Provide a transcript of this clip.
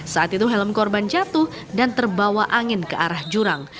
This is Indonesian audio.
saat itu helm korban jatuh dan terbawa angin ke arah jurang